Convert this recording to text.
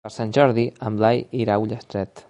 Per Sant Jordi en Blai irà a Ullastret.